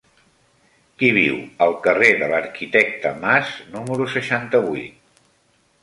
Qui viu al carrer de l'Arquitecte Mas número seixanta-vuit?